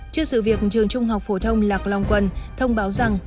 trước sự việc trường trung học phổ thông lạc long quân thông báo rằng